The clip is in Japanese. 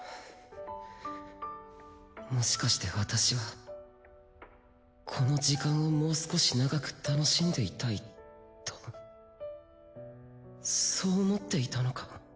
もしかして私はこの時間をもう少し長く楽しんでいたいとそう思っていたのか？